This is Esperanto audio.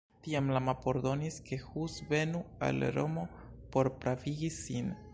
Tiam la papo ordonis, ke Hus venu al Romo por pravigi sin.